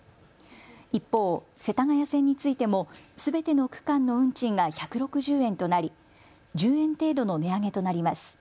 一方、世田谷線についてもすべての区間の運賃が１６０円となり１０円程度の値上げとなります。